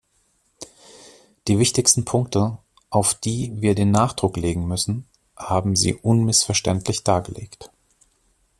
Die wichtigsten Punkte, auf die wir den Nachdruck legen müssen, haben Sie unmissverständlich dargelegt.